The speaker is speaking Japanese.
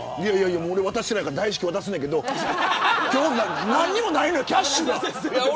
俺渡してないから大至急、渡すけど何にもないのよ、キャッシュが。